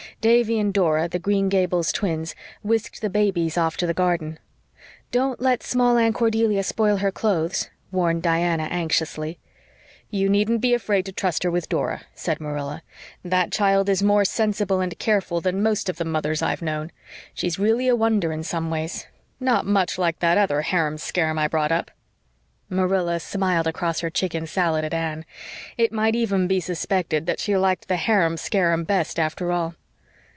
Davy and Dora, the Green Gables twins, whisked the babies off to the garden. "Don't let Small Anne Cordelia spoil her clothes," warned Diana anxiously. "You needn't be afraid to trust her with Dora," said Marilla. "That child is more sensible and careful than most of the mothers I've known. She's really a wonder in some ways. Not much like that other harum scarum I brought up." Marilla smiled across her chicken salad at Anne. It might even be suspected that she liked the harum scarum best after all.